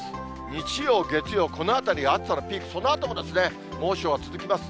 日曜、月曜、このあたりが暑さのピーク、そのあとも猛暑は続きます。